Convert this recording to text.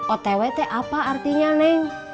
otwt apa artinya neng